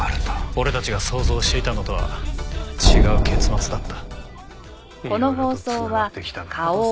俺たちが想像していたのとは違う結末だった。